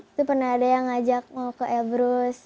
itu pernah ada yang ngajak mau ke ebrus